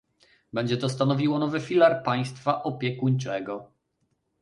Będzie to stanowiło nowy filar państwa opiekuńczego